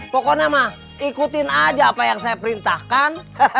pokoknya mah ikutin aja apa yang saya perintahkan